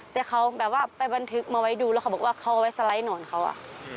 แต่เขาแบบว่าไปบรรทึกมาไว้ดูเขาบอกว่าเขาไว้สไล้หน่อนเขาอ่ะ